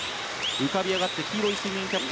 浮かび上がって黄色いスイミングキャップ